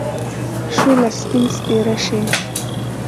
شوله! سپين سپيره شې.